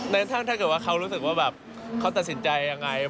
ถ้าเกิดว่าเขารู้สึกว่าแบบเขาตัดสินใจยังไง